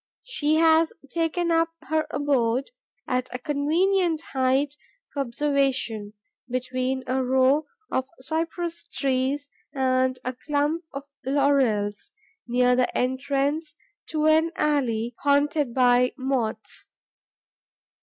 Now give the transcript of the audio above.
She has taken up her abode, at a convenient height for observation, between a row of cypress trees and a clump of laurels, near the entrance to an alley haunted by Moths.